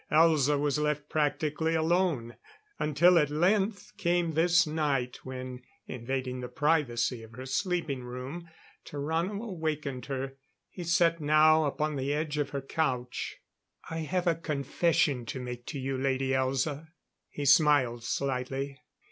Elza was left practically alone; until at length came this night when invading the privacy of her sleeping room, Tarrano awakened her. He sat now upon the edge of her couch. "I have a confession to make to you, Lady Elza." He smiled slightly.